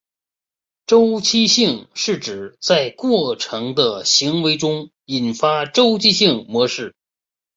周期性是指在过程的行为中引发周期性模式。